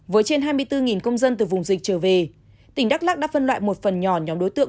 với trên hai mươi bốn công dân từ vùng dịch trở về tỉnh đắk lắc đã phân loại một phần nhỏ nhóm đối tượng